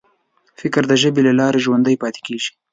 فکر د ژبې له لارې ژوندی پاتې کېږي.